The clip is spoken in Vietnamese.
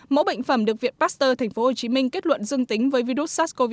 mẫu bệnh phẩm được viện pasteur tp hcm kết luận dương tính với virus sars cov hai